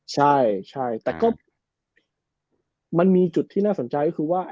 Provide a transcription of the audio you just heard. ใช่ใช่แต่ก็มันมีจุดที่น่าสนใจก็คือว่า